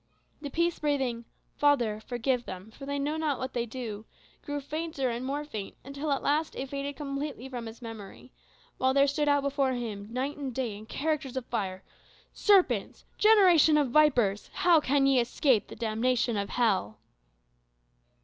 The peace breathing, "Father, forgive them, for they know not what they do," grew fainter and more faint, until at last it faded completely from his memory; while there stood out before him night and day, in characters of fire, "Serpents, generation of vipers, how can ye escape the damnation of hell!"